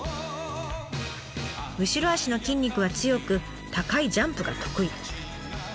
後ろ足の筋肉は強く高いジャンプが得意。